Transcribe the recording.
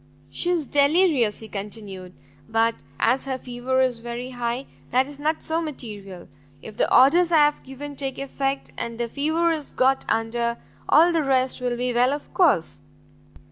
"She is very delirious," he continued, "but as her fever is very high, that is not so material. If the orders I have given take effect, and the fever is got under, all the rest will be well of course."